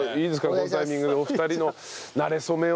このタイミングでお二人のなれ初めを。